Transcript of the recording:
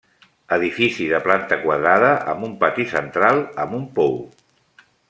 Edifici de planta quadrada amb un pati central amb un pou.